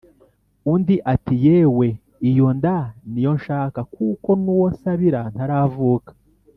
Undi ati: "Yewe! Iyo nda ni yo nshaka, kuko n' uwo nsabira ntaravuka.